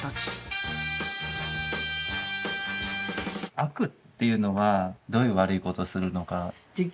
悪っていうのはどういう悪いことするのか。